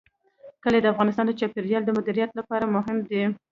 کلي د افغانستان د چاپیریال د مدیریت لپاره مهم دي.